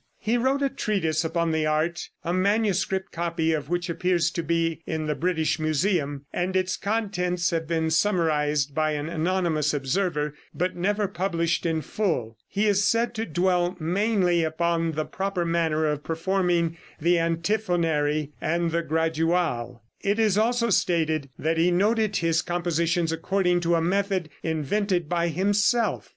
He wrote a treatise upon the art, a manuscript copy of which appears to be in the British Museum, and its contents have been summarized by an anonymous observer, but never published in full. He is said to dwell mainly upon the proper manner of performing the antiphonary and the graduale. It is also stated that he noted his compositions according to a method invented by himself.